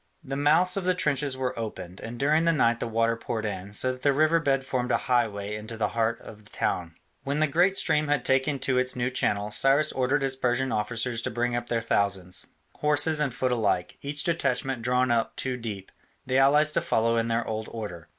The mouths of the trenches were opened, and during the night the water poured in, so that the river bed formed a highway into the heart of the town. When the great stream had taken to its new channel, Cyrus ordered his Persian officers to bring up their thousands, horse and foot alike, each detachment drawn up two deep, the allies to follow in their old order.